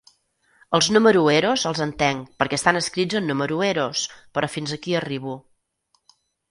Els número eros els entenc perquè estan escrits en número eros, però fins aquí arribo.